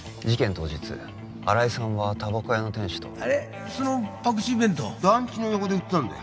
当日新井さんはタバコ屋の店主とあれ？そのパクチー弁当団地の横で売ってたんだよ